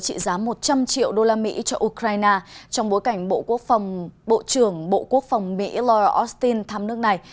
trị giá một trăm linh triệu đô la mỹ cho ukraine trong bối cảnh bộ quốc phòng mỹ lloyd austin thăm nước này